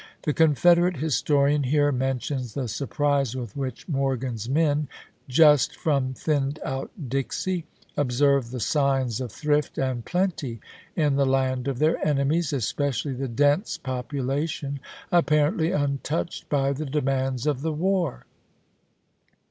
The Confederate historian here mentions the surprise with which Morgan's men, "just from thinned out Dixie," observed the signs of thiift and plenty in the land of their enemies, especially " the dense population apparently un touched by the demands of the war."